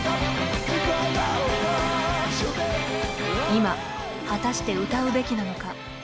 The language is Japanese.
今、果たして歌うべきなのか。